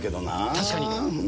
確かに。